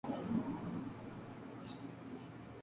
Tiene oficinas y laboratorios.